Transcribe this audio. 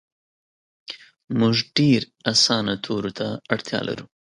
مونږ ډیر اسانه تورو ته اړتیا لرو